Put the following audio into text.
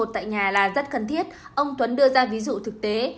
tại nhà là rất cần thiết ông tuấn đưa ra ví dụ thực tế